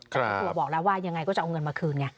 แต่เจ้าตัวบอกแล้วว่ายังไงก็จะเอาเงินมาคืนไง